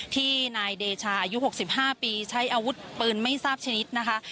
ที่นายเดชาอายุ๖๕ปีใช้อาวุธปืนไม่ทราบชนิดนะคะ